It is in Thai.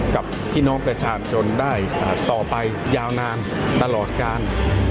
กับพี่น้องประชาชนได้ต่อไปยาวนานตลอดการ